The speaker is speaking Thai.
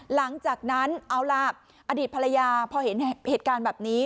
หลังจากนั้นเอาล่ะอดีตภรรยาพอเห็นเหตุการณ์แบบนี้